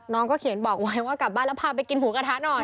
น้องก็เขียนบอกไว้ว่ากลับบ้านแล้วพาไปกินหมูกระทะหน่อย